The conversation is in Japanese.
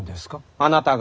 あなたが？